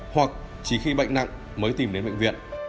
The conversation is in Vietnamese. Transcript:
hoặc chỉ khi bệnh nặng mới tìm đến bệnh viện